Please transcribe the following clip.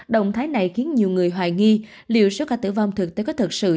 động thái này khiến nhiều người hoài nghi liệu số ca tử vong thực tế có thực sự